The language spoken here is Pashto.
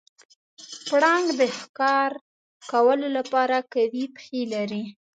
پړانګ د ښکار کولو لپاره قوي پښې لري.